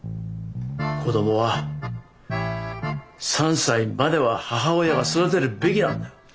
子供は３歳までは母親が育てるべきなんだ。